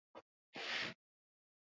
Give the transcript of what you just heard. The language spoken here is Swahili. jinsi ya kuvuna viazi lishe